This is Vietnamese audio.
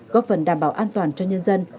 góp phần đảm bảo an toàn cho nhân dân